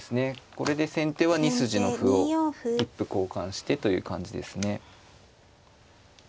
これで先手は２筋の歩を一歩交換してという感じですね。